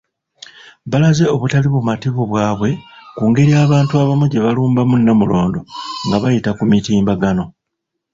Balaze obutali bumativu bwabwe ku ngeri abantu abamu gyebalumbamu Namulondo nga bayita ku mitimbagano.